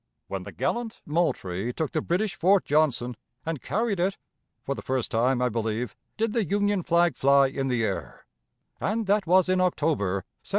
When the gallant Moultrie took the British Fort Johnson and carried it, for the first time, I believe, did the Union flag fly in the air; and that was in October, 1775.